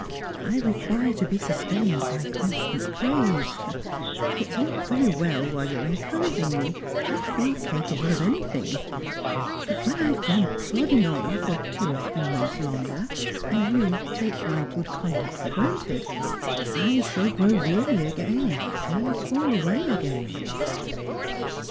I require to be sustained by constant praise. It is vU very well while you are encouraging me, I feel capable of anything ; but when I have gone plodding on for two or three months longer, and yea take my good conduct for granted, I shall grow weary again, and fall away again."